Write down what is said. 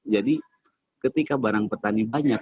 jadi ketika barang petani banyak